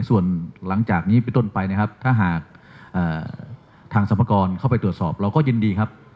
ส่วนหลังจากนี้ไปต้นไปนะครับถ้าหากทางสรรพากรเข้าไปตรวจสอบเราก็ยินดีครับ